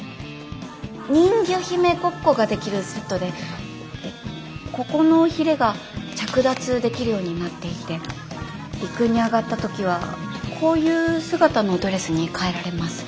人魚姫ごっこができるセットでここのヒレが着脱できるようになっていて陸に上がった時はこういう姿のドレスに変えられます。